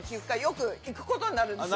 ことになるんですよ。